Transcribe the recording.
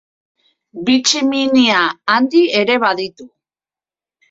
Bi tximinia handi ere baditu.